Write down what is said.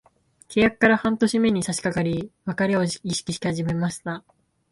契約から半年目に差しかかり、別れを意識し始めました。